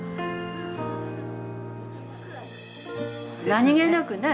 何気なくね